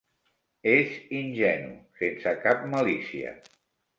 És ingenu, sense cap malícia.